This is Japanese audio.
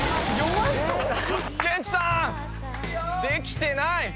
できてない。